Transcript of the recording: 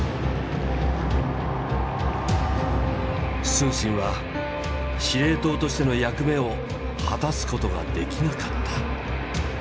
承信は司令塔としての役目を果たすことができなかった。